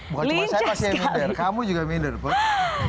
bukan cuma saya yang minder kamu juga minder putri